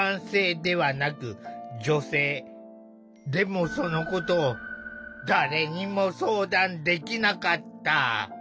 でもそのことを誰にも相談できなかった。